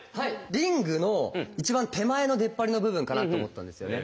リングの一番手前の出っ張りの部分かなと思ったんですよね。